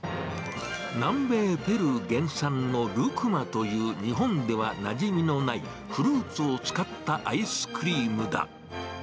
南米ペルー原産のルクマという日本ではなじみのない、フルーツを使ったアイスクリームだ。